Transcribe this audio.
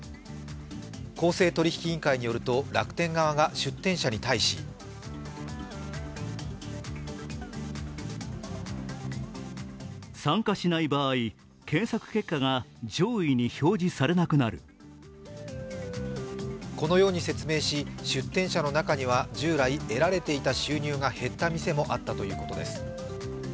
公正取引委員会によると楽天側が出店者に対しこのように説明し、出店者の中には従来得られていた収入も減った店もあったということです。